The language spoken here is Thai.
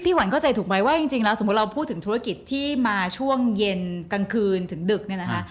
ขวัญเข้าใจถูกไหมว่าจริงแล้วสมมุติเราพูดถึงธุรกิจที่มาช่วงเย็นกลางคืนถึงดึกเนี่ยนะคะ